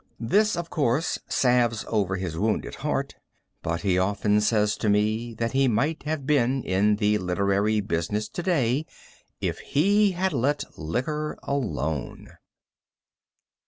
This, of course, salves over his wounded heart, but he often says to me that he might have been in the literary business to day if he had let liquor alone.